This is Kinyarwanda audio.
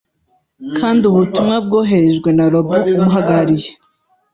kandi ubutumwa bwoherejwe na Rob umuhagarariye